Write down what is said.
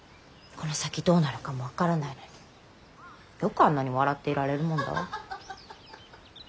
この先どうなるかも分からないのによくあんなに笑っていられるもんだわ。